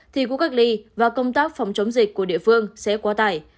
thì khu cách ly và công tác phòng chống dịch của địa phương sẽ quá tải